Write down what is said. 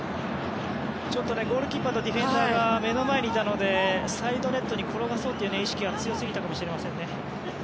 ちょっとゴールキーパーとディフェンダーが目の前にいたのでサイドネットに転がそうという意識が強すぎたかもしれませんね。